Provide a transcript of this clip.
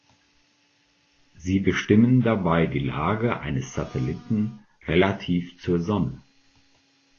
Sie bestimmen dabei die Lage eines Satelliten relativ zur Sonne.